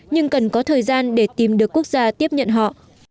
nhưng cần có thời gian để tìm được quốc gia tiếp nhận họ